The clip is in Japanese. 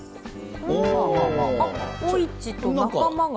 おいちと仲間が。